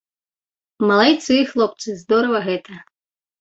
Малайцы, хлопцы, здорава гэта.